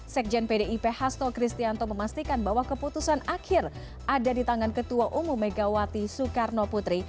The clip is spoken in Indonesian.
sekjen pdip hasto kristianto memastikan bahwa keputusan akhir ada di tangan ketua umum megawati soekarno putri